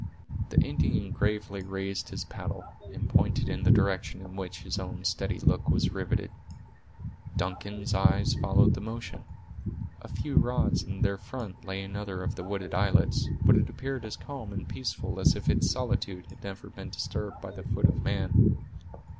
The Indian gravely raised his paddle, and pointed in the direction in which his own steady look was riveted. Duncan's eyes followed the motion. A few rods in their front lay another of the wooded islets, but it appeared as calm and peaceful as if its solitude had never been disturbed by the foot of man.